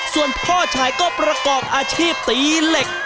ส่วนพ่อชายก็ประกอบอาชีพตีเหล็ก